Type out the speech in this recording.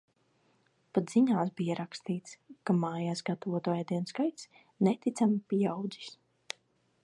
Pat ziņās bija rakstīts, ka mājās gatavoto ēdienu skaits neticami pieaudzis.